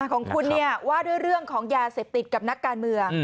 ของคุณว่าด้วยเรื่องของยาเสพติดกับนักการเมือง